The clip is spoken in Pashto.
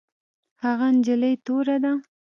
هغه نجلۍ توره ده